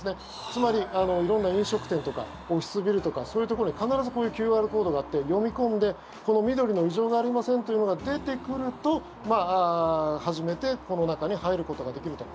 つまり、色んな飲食店とかオフィスビルとかそういうところに必ずこういうＱＲコードがあって読み込んで、この緑の異常がありませんというのが出てくると、初めてこの中に入ることができると。